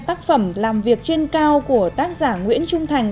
tác phẩm làm việc trên cao của tác giả nguyễn trung thành